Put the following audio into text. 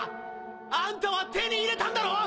あんたは手に入れたんだろう！？